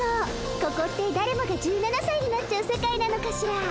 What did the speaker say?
ここってだれもが１７さいになっちゃう世界なのかしら。